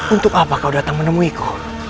untuk apa kau datang menemuku